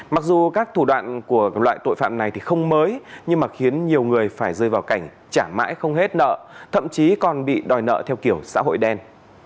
mặc dù các thủ đoạn của loại tội phạm này thì không mới nhưng mà khiến nhiều người phải rơi vào cảnh trả mãi không hết nợ thậm chí còn bị đòi nợ theo kiểu xã hội đen